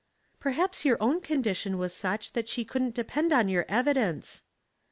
"Perhaps your own condition was such that she couldn't depend on your evidence."